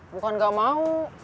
bukan gak mau